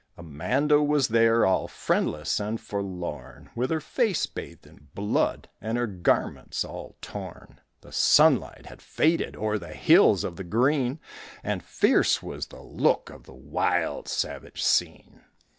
Amanda was there All friendless and forlorn With her face bathed in blood And her garments all torn. The sunlight had faded O'er the hills of the green, And fierce was the look Of the wild, savage scene.